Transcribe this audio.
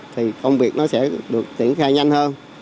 thì công việc nó sẽ được triển khai nhanh hơn